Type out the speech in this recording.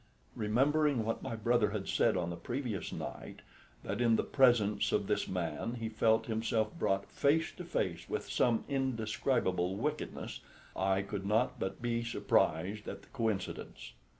Remembering what my brother had said on the previous night, that in the presence of this man he felt himself brought face to face with some indescribable wickedness, I could not but be surprised at the coincidence.